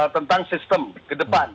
tentang sistem ke depan